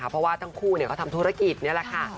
เพราะว่าทั้งคู่เขาทำธุรกิจนี่แหละค่ะ